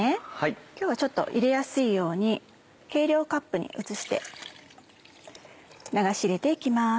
今日はちょっと入れやすいように計量カップに移して流し入れて行きます。